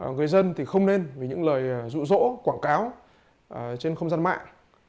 người dân thì không nên vì những lời rụ rỗ quảng cáo trên không gian mạng